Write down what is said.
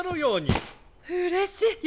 うれしい！